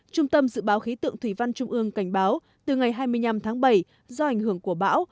trung tâm dự báo khí tượng thủy văn trung ương cảnh báo từ ngày hai mươi năm tháng bảy do ảnh hưởng của bão